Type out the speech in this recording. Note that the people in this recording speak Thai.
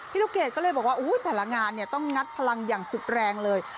ลูกเกดก็เลยบอกว่าแต่ละงานเนี่ยต้องงัดพลังอย่างสุดแรงเลย